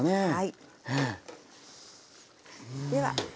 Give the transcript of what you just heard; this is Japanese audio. はい。